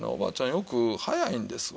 よく早いんですわ。